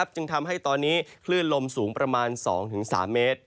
จึงทำให้ตอนนี้คลื่นลมสูงประมาณ๒๓เมตร